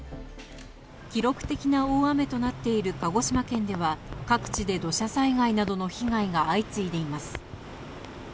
記録的な大雨となっている鹿児島県では、各地で土砂災害などの被害が相次いでいます。